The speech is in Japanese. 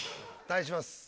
対します